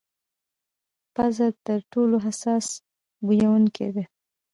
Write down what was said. پزه تر ټولو حساس بویونکې ده.